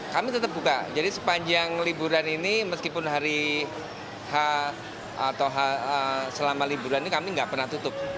kami tetap buka jadi sepanjang liburan ini meskipun hari h atau selama liburan ini kami nggak pernah tutup